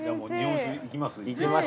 日本酒いきます？